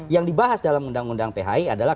yang dibahas dalam undang undang phi adalah